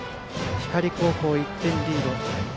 光高校、１点リード。